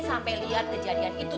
sampai liat kejadian itu